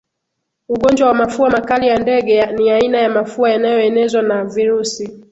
Ugonjwa wa mafua makali ya ndege ni aina ya mafua yanayoenezwa na virusi